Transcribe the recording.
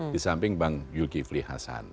di samping bang yul ki fliassan